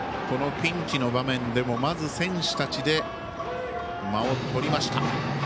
ピンチの場面でもまず選手たちで間をとりました。